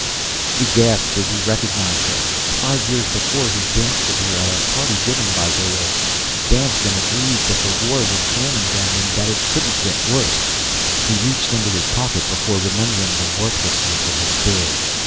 He gasped as he recognized her. Five years before, he'd danced with her at a party given by Dayole danced and agreed that the war was ruining them and that it couldn't get worse. He reached into his pocket, before remembering the worthlessness of his bills.